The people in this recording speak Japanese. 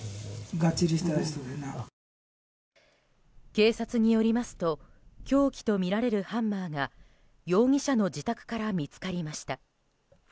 警察によりますと凶器とみられるハンマーが容疑者の自宅から見つかりました。